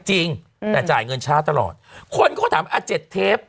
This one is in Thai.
จริงแต่จ่ายเงินช้าตลอดคนเขาถามอ่ะเจ็ดเทป